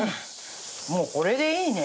もうこれでいいね。